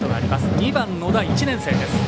２番、野田、１年生です。